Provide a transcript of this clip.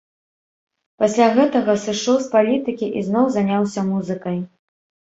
Пасля гэтага сышоў з палітыкі і зноў заняўся музыкай.